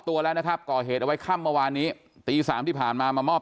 ตัวแล้วนะครับก่อเหตุเอาไว้ค่ำเมื่อวานนี้ตีสามที่ผ่านมามามอบ